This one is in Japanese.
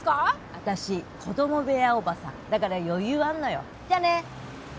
私子供部屋おばさんだから余裕あんのよじゃあね